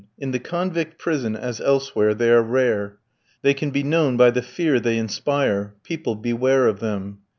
In the convict prison, as elsewhere, they are rare. They can be known by the fear they inspire; people beware of them.